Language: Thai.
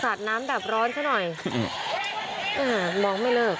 สาดน้ำดับร้อนซะหน่อยมองไม่เลิก